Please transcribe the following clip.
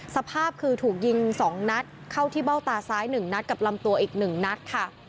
สภาพคือถูกยิง๒นัดเข้าที่เบ้าตาซ้าย๑นัดกับลำตัวอีก๑นัดค่ะ